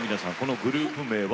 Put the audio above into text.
グループ名は。